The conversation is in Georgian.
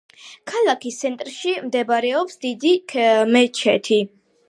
ქალაქის ცენტრში მდებარეობს დიდი მეჩეთი.